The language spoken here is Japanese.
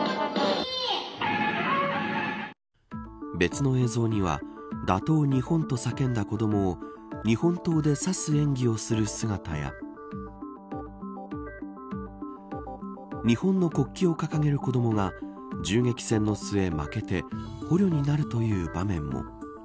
別の映像には打倒日本と叫んだ子どもを日本刀で刺す演技をする姿や日本の国旗を掲げる子どもが銃撃戦の末、負けて捕虜になるという場面も。